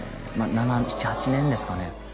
７８年ですかね？